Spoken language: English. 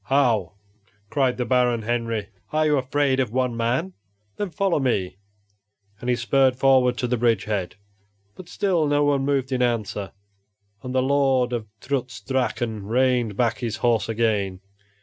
"How," cried the Baron Henry, "are ye afraid of one man? Then follow me!" and he spurred forward to the bridge head. But still no one moved in answer, and the Lord of Trutz Drachen reined back his horse again.